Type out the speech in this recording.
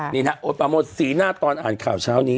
นี่นะโอ๊ตปาโมทสีหน้าตอนอ่านข่าวเช้านี้